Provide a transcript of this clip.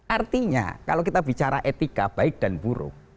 artinya kalau kita bicara etika baik dan buruk